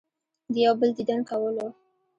د يو بل ديدن کولو